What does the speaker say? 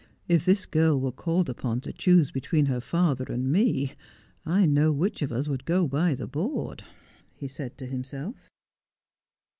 ' If this girl were called upon to choose between her father and me, I know which of us would go by the board,' he said to himself.